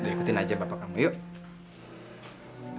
ikutin aja bapak kamu yuk